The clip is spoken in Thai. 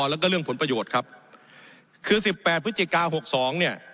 แล้วก็เรื่องผลประโยชน์ครับคือสิบแปดพฤศจิกาหกสองเนี่ย